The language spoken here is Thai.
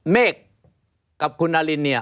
เมฆกับคุณนารินเนี่ย